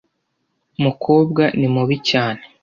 mukobwa ni mubi cyane.